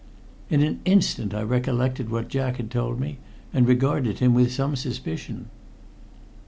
In an instant I recollected what Jack had told me, and regarded him with some suspicion.